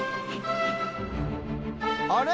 あれ？